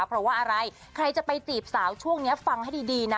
เพราะว่าอะไรใครจะไปจีบสาวช่วงนี้ฟังให้ดีนะ